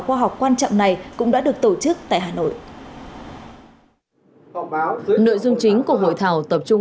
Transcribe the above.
khoa học quan trọng này cũng đã được tổ chức tại hà nội nội dung chính của hội thảo tập trung